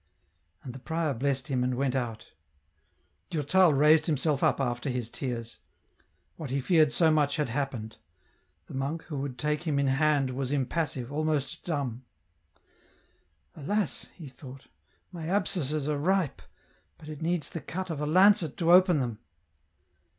And the prior blessed him and went out. Durtal raised himself up after his tears ; what he feared so much had happened ; the monk who would take him in hand was impassive, almost dumb. " Alas !" he thought, " my abscesses are ripe, but it needs the cut ox a lancet to open them."